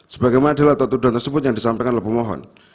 sebagai manalah tuntutan tersebut yang disampaikan oleh pemohon